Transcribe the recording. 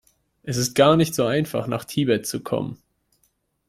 Es ist gar nicht so einfach, nach Tibet zu kommen.